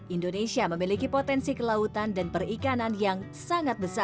indonesia memiliki potensi kelautan dan perikanan yang sangat besar